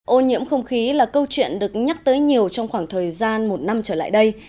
ô nhiễm không khí là câu chuyện được nhắc tới nhiều trong khoảng thời gian một năm trở lại đây